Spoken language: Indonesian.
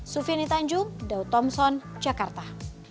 sufiani tanjung daud thompson jakarta